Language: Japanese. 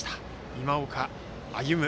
今岡歩夢。